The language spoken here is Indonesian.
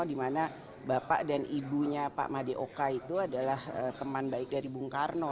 di mana bapak dan ibunya pak madyoka itu adalah teman baik dari bung karno